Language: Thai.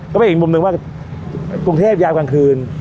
ก็เป็นอีกมุมหนึ่งว่ากรุงเทพยามกลางคืน